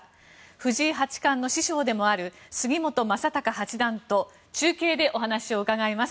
藤井八冠の師匠でもある杉本昌隆八段と中継でお話を伺います。